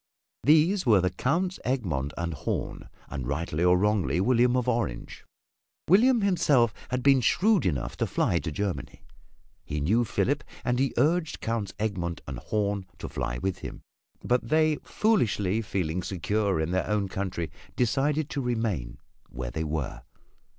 These were the Counts Egmont and Horn and rightly or wrongly William of Orange. William himself had been shrewd enough to fly to Germany. He knew Philip and he urged Counts Egmont and Horn to fly with him. But they, foolishly feeling secure in their own country, decided to remain where they were.